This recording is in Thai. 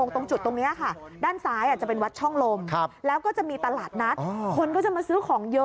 แต่ถ้าเบรกไม่ทันถ้ามาเร็ว